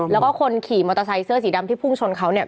แล้วก็คนขี่มอเตอร์ไซค์เสื้อสีดำที่พุ่งชนเขาเนี่ย